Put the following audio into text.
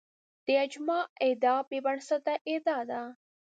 د اجماع ادعا بې بنسټه ادعا ده